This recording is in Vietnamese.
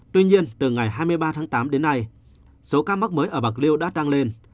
tuy nhiên từ ngày hai mươi ba tháng tám đến nay số ca mắc mới ở bạc liêu đã tăng lên